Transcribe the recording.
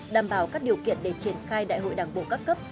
đảm bảo các điều kiện để triển khai đại hội đảng bộ các cấp